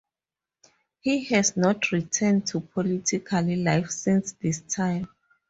He has not returned to political life since this time.